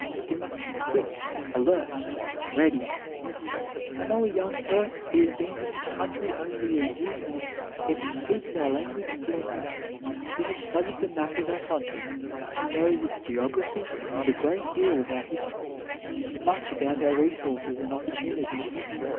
He must be quick, alert, ready. I know a young Turk, who has been in this country only a year, yet he speaks our language fluently. He has studied the map of our country. He knows its geography, and a great deal of our history, and much about our resources and opportunities.